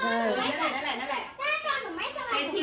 หายังไม่ขึ้นแต่ชิน